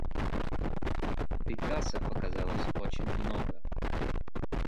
Бекасов оказалось очень много.